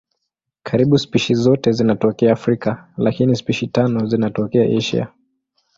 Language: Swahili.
Karibu spishi zote zinatokea Afrika lakini spishi tano zinatokea Asia.